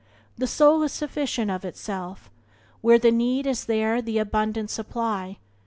The soul is sufficient of itself. Where the need is there is the abundant supply.